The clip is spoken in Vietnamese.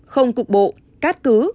không cục bộ cát cứ